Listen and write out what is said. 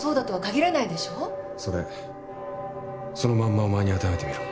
それそのまんまお前に当てはめてみろ。